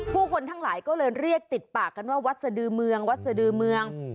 ผู้คนทั้งหลายก็เลยเรียกติดปากกันว่าวัดสดือเมืองวัดสดือเมือง